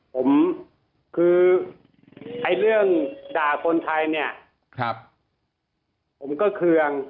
ผมคือไอ้เรื่องด่าคนไทยเนี่ยผมก็เคือง